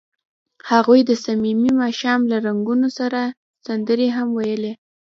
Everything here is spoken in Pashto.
هغوی د صمیمي ماښام له رنګونو سره سندرې هم ویلې.